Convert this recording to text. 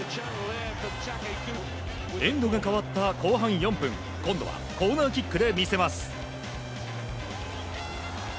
エンドが変わった後半４分今度はコーナーキックで魅せます。